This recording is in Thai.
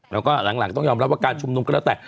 แล้วก็หลังต้องยอมรับว่าการชุมนุมก็แล้วแต่